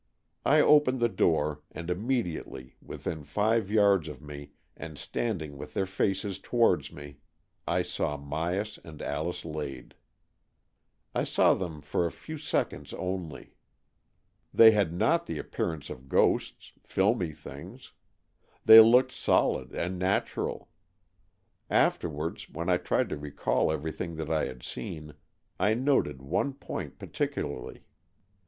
I opened the door, and immediately, within five yards of me and standing with their faces towards me, I saw My as and Alice Lade. I saw them for a few seconds only. They 252 AN EXCHANGE OF SOULS had not the appearance of ghosts — filmy things. They looked solid and natural. Afterwards, when I tried to recall everything that I had seen, I noted one point particu larly.